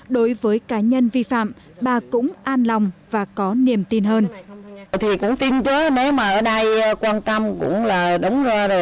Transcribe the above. đối với cá nhân vi phạm bà cũng an lòng và có niềm tin hơn